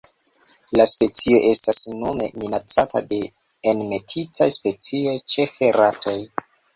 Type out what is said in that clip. La specio estas nune minacata de enmetitaj specioj, ĉefe ratoj.